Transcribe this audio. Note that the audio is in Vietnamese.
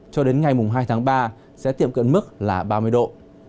cho đến ngày hai tháng ba sẽ tiệm cận mức là ba mươi độ